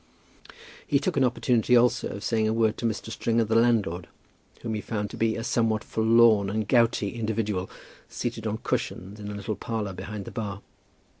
He took an opportunity also of saying a word to Mr. Stringer the landlord, whom he found to be a somewhat forlorn and gouty individual, seated on cushions in a little parlour behind the bar.